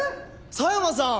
狭山さん！